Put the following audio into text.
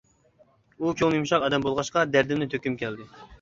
ئۇ كۆڭلى يۇمشاق ئادەم بولغاچقا دەردىمنى تۆككۈم كەلدى.